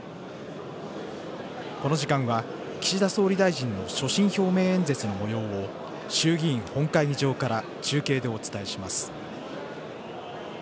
この時間は岸田総理大臣の所信表明演説のもようを、衆議院本会議場から中継でお伝えします。